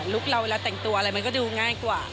เราเวลาแต่งตัวอะไรมันก็ดูง่ายกว่า